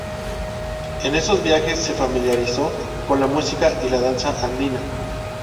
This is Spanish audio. En esos viajes se familiarizó con la música y la danza andina.